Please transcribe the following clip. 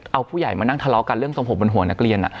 เอาผู้ใหญ่มานั่งทะเลาะกันเรื่องทรงผมบนหัวนักเรียน